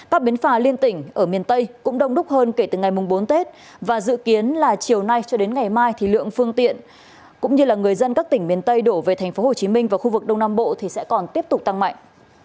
các bến phà liên tỉnh ở miền tây cũng đông đúc hơn kể từ ngày bốn tết và dự kiến là chiều nay cho đến ngày mai thì lượng phương tiện cũng như là người dân các tỉnh miền tây đổ về tp hcm và khu vực đông nam bộ sẽ còn tiếp tục tăng mạnh